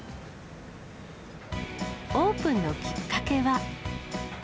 オープンのきっかけは。